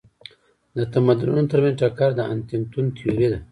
د تمدنونو ترمنځ ټکر د هانټینګټون تيوري ده.